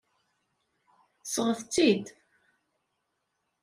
Sɣet-tt-id!